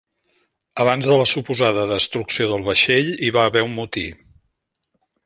Abans de la suposada destrucció del vaixell, hi va haver un motí.